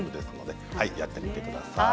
やってみてください。